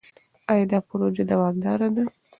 ایا دا پروژه دوامداره ده؟